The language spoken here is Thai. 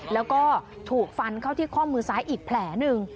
แล้วก็ถูกฟันเข้าที่ข้อมือซ้ายอีกแผลหนึ่ง